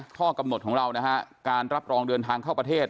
ข้อกำหนดของเรานะฮะการรับรองเดินทางเข้าประเทศ